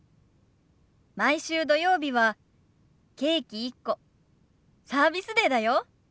毎週土曜日はケーキ１個サービスデーだよ。